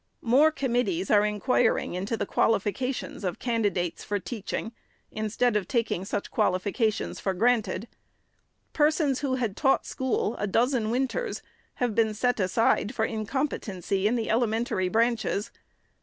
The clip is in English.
More com mittees are inquiring into the qualifications of candidates for teaching, instead of taking such qualifications for granted. Persons who had taught school a dozen win 502 THE SECRETARY'S ters have been set aside for incompetency in the element ary branches.